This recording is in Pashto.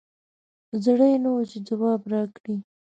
زړه یي نه وو چې ځواب راکړي